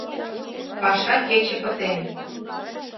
Паша кече пытен.